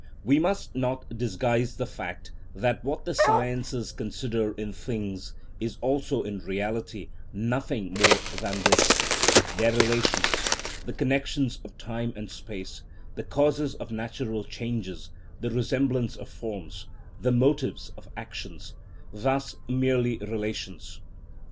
We must not disguise the fact that what the sciences consider in things is also in reality nothing more than this; their relations, the connections of time and space, the causes of natural changes, the resemblance of forms, the motives of actions,—thus merely relations.